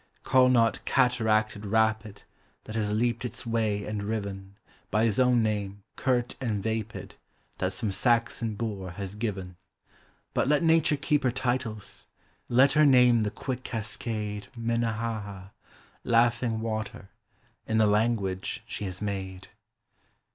Call not cataracted rapid That has leaped its way and riven, By his own name, curt and vapid, That some Saxon boor has given ! But let Nature keep her titles ! Let her name the quick cascade Minnehaha Laughing Water In the language she has made